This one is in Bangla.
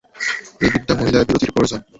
এই বৃদ্ধা মহিলার বিরতির প্রয়োজন।